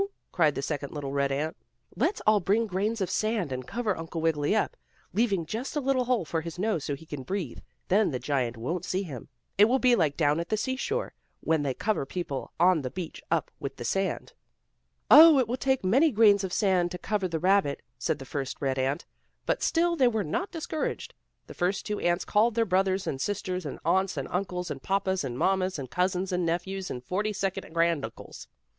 cried the second little red ant. "Let's all bring grains of sand, and cover Uncle Wiggily up, leaving just a little hole for his nose, so he can breathe. Then the giant won't see him. It will be like down at the seashore, when they cover people on the beach up with the sand." "Oh, it will take many grains of sand to cover the rabbit," said the first red ant, but still they were not discouraged. The first two ants called their brothers and sisters, and aunts, and uncles, and papas, and mammas, and cousins, and nephews, and forty second granduncles.